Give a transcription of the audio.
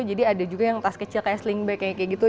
jadi ada juga yang tas kecil kayak sling bag kayak gitu